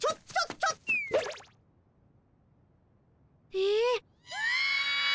え？